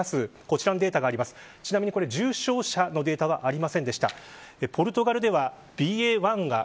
重症者のデータはありませんでした。